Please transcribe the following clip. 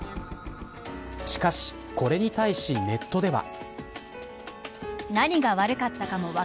しかし、これに対しネットでは。